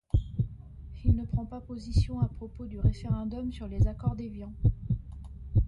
Il ne prend pas position à propos du référendum sur les accords d'Évian.